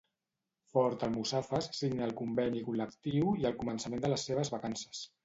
Ford Almussafes signa el conveni col·lectiu i el començament de les seves vacances.